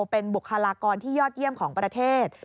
เป็นบุคลากรที่ยอดเยี่ยมของประเทศ